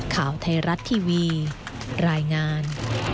ข่าวไทยรัฐทีวีรายงาน